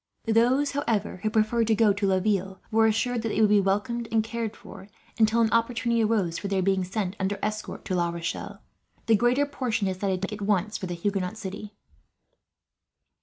Those, however, who preferred to go to Laville, were assured that they would be welcomed and cared for, there, until an opportunity arose for their being sent, under escort, to La Rochelle. The greater portion decided to make, at once, for the Huguenot city.